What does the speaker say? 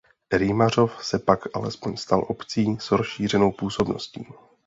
Rýmařov se pak alespoň stal obcí s rozšířenou působností.